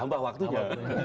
dia tambah waktunya